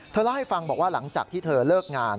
เล่าให้ฟังบอกว่าหลังจากที่เธอเลิกงาน